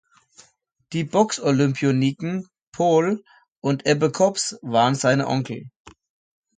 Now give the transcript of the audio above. Die Box-Olympioniken Poul und Ebbe Kops waren seine Onkel.